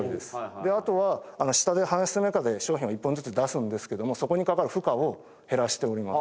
であとは下で排出メカで商品を１本ずつ出すんですけどもそこにかかる負荷を減らしております。